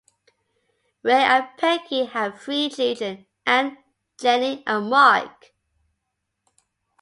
Ray and Peggy had three children: Ann, Jenny and Mark.